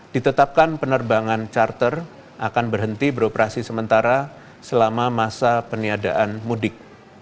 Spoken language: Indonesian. ditetapkan penerbangan charter akan berhenti beroperasi sementara selama masa peniadaan mudik